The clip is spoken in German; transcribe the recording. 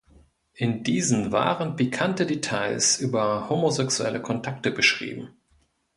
In diesen waren pikante Details über homosexuelle Kontakte beschrieben.